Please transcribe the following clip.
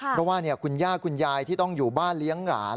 เพราะว่าคุณย่าคุณยายที่ต้องอยู่บ้านเลี้ยงหลาน